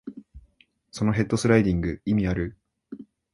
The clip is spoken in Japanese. そのヘッドスライディング、意味ある？